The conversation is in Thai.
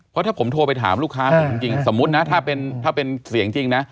เพราะถ้าผมโทรไปถามลูกค้าผมจริงสมมุตินะถ้าเป็นเสียงจริงนะ